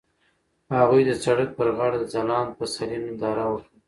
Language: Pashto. هغوی د سړک پر غاړه د ځلانده پسرلی ننداره وکړه.